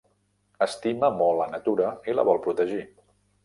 Estima molt la natura i la vol protegir.